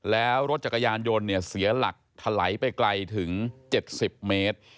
แล้วรถจักรยานยนต์เนี่ยเสียหลักถลายไปไกลถึง๗๐เมตร